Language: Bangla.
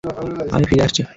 আমি ফিরে আসছি।